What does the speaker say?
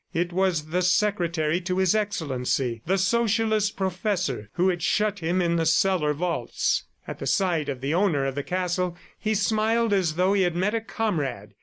It was the secretary to His Excellency, the Socialist professor who had shut him in the cellar vaults. At the sight of the owner of the castle he smiled as though he had met a comrade.